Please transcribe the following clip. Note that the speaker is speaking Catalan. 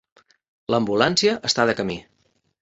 L'ambulància està de camí.